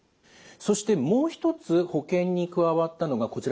そしてもう一つ保険に加わったのがこちらですね。